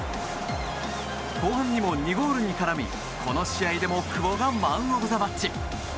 後半にも２ゴールに絡みこの試合でも久保がマン・オブ・ザ・マッチ。